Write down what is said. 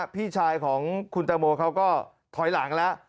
พี่ชายของคุณตังโมเขาก็ถอยหลังแล้ว